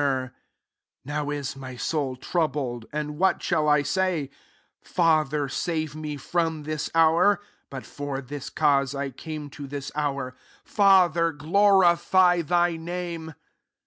Sr" Now is my soul troubled: and what shall I say ? Father, save me from this hour. But for this cause I came to this hoor. Father, glorify thy name."